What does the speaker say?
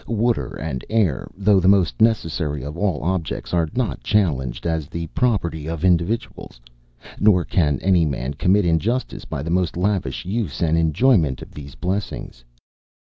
Water and air, though the most necessary of all objects, are not challenged as the property of individuals; nor can any man commit injustice by the most lavish use and enjoyment of these blessings.